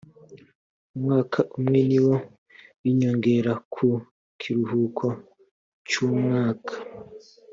umwaka umwe niwo w ‘inyongera ku kiruhuko cy’umwaka